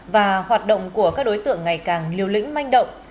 và hoạt động của các đối tượng ngày càng liều lĩnh manh động